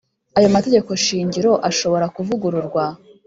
Aya mategeko shingiro ashobora kuvugururwa